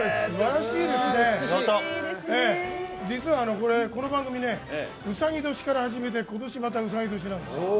実はこの番組うさぎ年から初めて今年、またうさぎ年なんです。